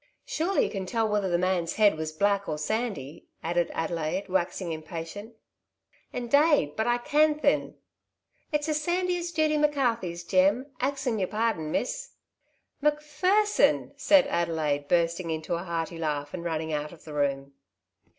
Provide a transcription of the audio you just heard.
Sure you can tell whether the man^s head was black or sandy ?^' added Adelaide^ waxing impatient. '' Indade but I can thin — it's as sandy as Judy Macarthey's Jem^ axing your pardon. Miss." '' Macpherson !^' said Adelaide, bursting into a hearty laugh, and running out of the room.